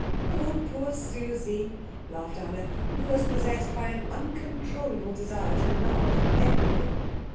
"Oh, poor Susie!" laughed Anna, who was possessed by an uncontrollable desire to laugh at everything.